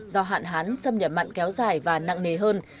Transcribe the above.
do hạn hán xâm nhập mặn kéo dài và nặng nề hơn